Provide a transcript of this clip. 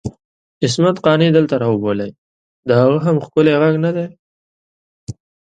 عصمت قانع دلته راوبلئ د هغه هم ښکلی ږغ ندی؟!